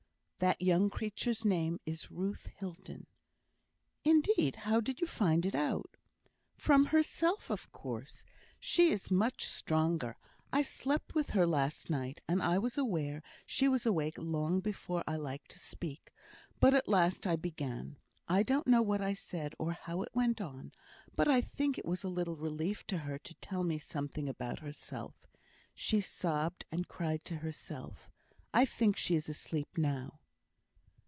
"That young creature's name is Ruth Hilton." "Indeed! how did you find it out?" "From herself, of course. She is much stronger. I slept with her last night, and I was aware she was awake long before I liked to speak, but at last I began. I don't know what I said, or how it went on, but I think it was a little relief to her to tell me something about herself. She sobbed and cried herself to sleep; I think she is asleep now."